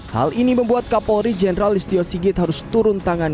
hal ini membuat kapolri jenderal listio sigit harus turun tangan